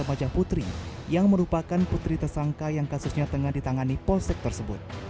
wajah putri yang merupakan putri tersangka yang kasusnya tengah ditangani polsek tersebut